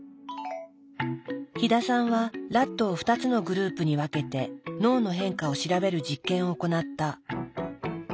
飛田さんはラットを２つのグループに分けて脳の変化を調べる実験を行った。